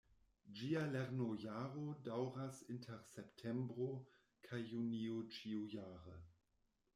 Ĝia lernojaro daŭras inter Septembro kaj Junio ĉiujare.